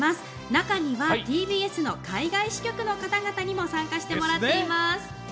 中にはＴＢＳの海外支局の方々にも参加してもらっています。